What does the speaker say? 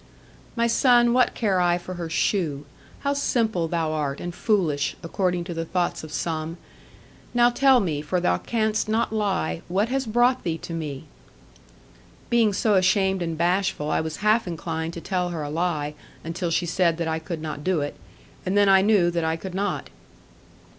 'My son, what care I for her shoe? How simple thou art, and foolish! according to the thoughts of some. Now tell me, for thou canst not lie, what has brought thee to me.' Being so ashamed and bashful, I was half inclined to tell her a lie, until she said that I could not do it; and then I knew that I could not.